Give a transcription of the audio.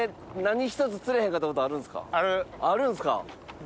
あるんすか。